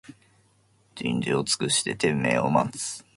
人事を尽くして天命を待つ